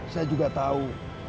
saya juga tahu